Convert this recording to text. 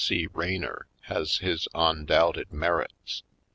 C. Raynor has his on doubted merits.